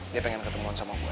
dia pengen ketemuan sama gue